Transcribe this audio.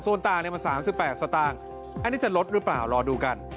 ส่วนต่างมัน๓๘สตางค์อันนี้จะลดหรือเปล่ารอดูกัน